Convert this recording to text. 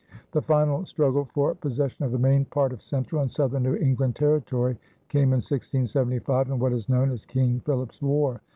The final struggle for possession of the main part of central and southern New England territory came in 1675, in what is known as King Philip's War.